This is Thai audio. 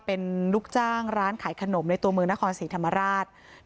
เป็นลูกจ้างร้านขายขนมในตัวเมืองนครศรีธรรมราช